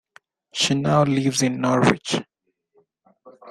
She now lives in Norwich.